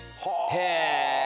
へえ。